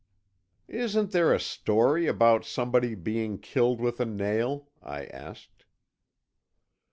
"Isn't there a story about somebody being killed with a nail?" I asked.